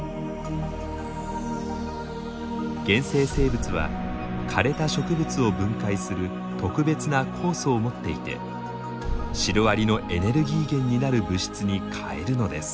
原生生物は枯れた植物を分解する特別な酵素を持っていてシロアリのエネルギー源になる物質に変えるのです。